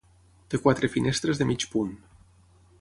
Té quatre finestres de mig punt.